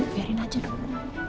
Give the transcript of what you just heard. biarin aja dong